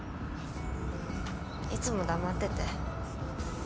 いつも黙ってて。